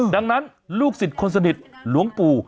ดังนั้นลูกศิษย์คนสนิทหลวงปู่